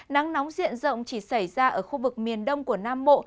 nắng nóng diện rộng chỉ xảy ra ở khu vực miền đông của nam bộ